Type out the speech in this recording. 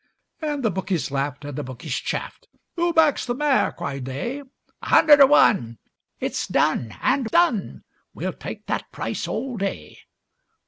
And the bookies laughed and the bookies chaffed, 'Who backs the mare?' cried they. 'A hundred to one!' 'It's done—and done!' 'We'll take that price all day.